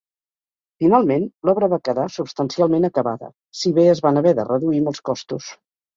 Finalment, l'obra va quedar substancialment acabada, si bé es van haver de reduir molts costos.